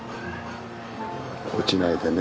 落ちないでね。